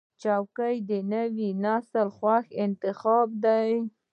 چوکۍ د نوي نسل خوښ انتخاب دی.